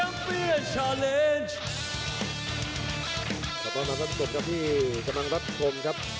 ขอบคุณมาพักสุดครับที่กำลังพัดคมครับ